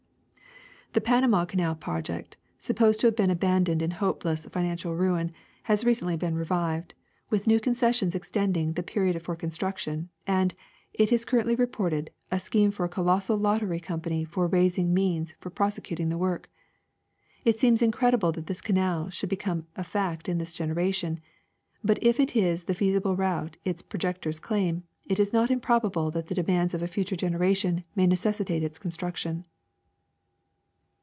The Panama canal project, supposed to have been abandoned in hopeless financial ruin, has recently been revived, with new concessions extending the period for construction, and, it is cur rently reported, a scheme for a colossal lottery company for raising the means for prosecuting the work. It seems incredible that this canal shall become a fact in this generation ; but if it is the feasible route its projectors claim, it is not improbable that the demands of a future generation may necessitate its construction.